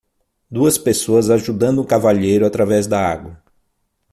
Duas pessoas ajudando um cavalheiro através da água.